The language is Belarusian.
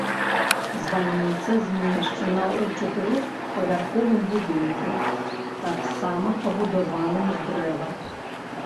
Званіца змешчана ў чатырохпавярховым будынку, таксама пабудаваным з дрэва.